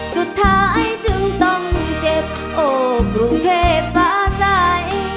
สุดท้ายจึงต้องเจ็บโอบกรุงเทพฟ้าใส